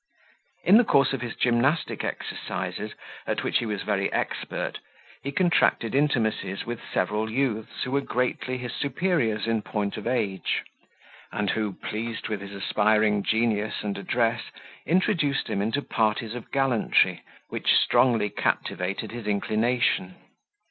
In the course of his gymnastic exercises, at which he was very expert, he contracted intimacies with several youths who were greatly his superiors in point of age, and who, pleased with his aspiring genius and address, introduced him into parties of gallantry which strongly captivated his inclination.